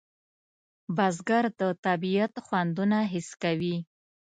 بزګر د طبیعت خوندونه حس کوي